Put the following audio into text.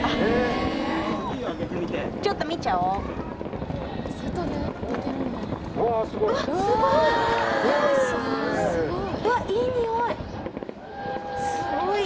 ちょっと見ちゃおう。わスゴイ！